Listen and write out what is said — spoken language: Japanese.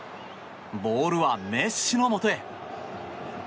ボールはメッシのもとへ。